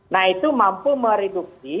nah itu mampu meredupsi